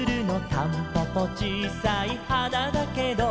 「たんぽぽちいさい花だけど」